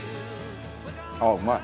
あっうまい！